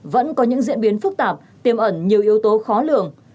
vẫn có những diễn biến phức tạp tiêm ẩn nhiều yếu tố khó lường